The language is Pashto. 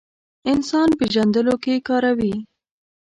انسان پېژندلو کې کاروي.